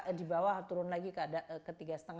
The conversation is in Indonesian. jadi di bawah turun lagi ke tiga lima